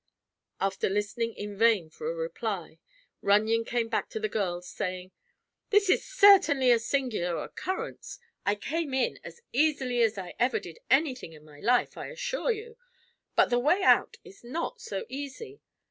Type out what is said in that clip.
After listening in vain for a reply, Runyon came back to the girls, saying: "This is certainly a singular occurrence. I came in as easily as I ever did anything in my life, I assure you; but the way out is not so easy.